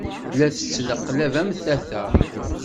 La tettneqlab am tata.